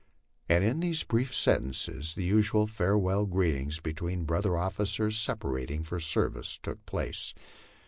and in these brief sentences the usual farewell greetings between brother officers separating for service took place.